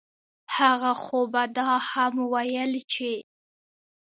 هغه خو به دا هم وييل چې